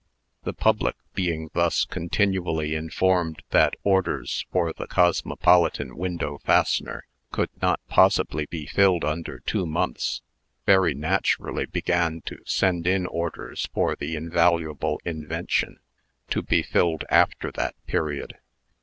The public, being thus continually informed that orders for the "Cosmopolitan Window Fastener" could not possibly be filled under two months, very naturally began to send in orders for the invaluable invention, to be filled after that period.